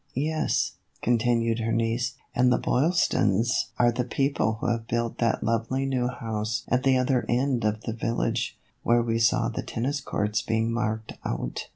" Yes," continued her niece, " and the Boylstons are the people who have built that lovely new house at the other end of the village, where we saw the tennis courts being marked out."